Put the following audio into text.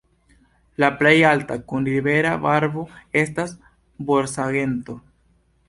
La plej alta, kun rivera barbo, estas borsagento.